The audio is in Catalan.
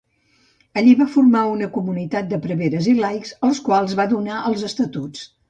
Allí va formar una comunitat de preveres i laics, als quals va donar els estatuts.